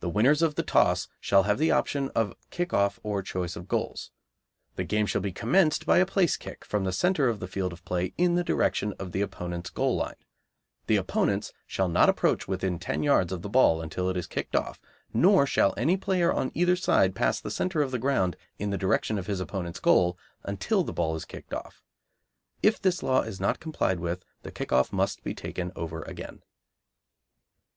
The winners of the toss shall have the option of kick off or choice of goals. The game shall be commenced by a place kick from the centre of the field of play in the direction of the opponents' goal line; the opponents shall not approach within ten yards of the ball until it is kicked off, nor shall any player on either side pass the centre of the ground in the direction of his opponents' goal until the ball is kicked off. (If this law is not complied with the kick off must be taken over again.)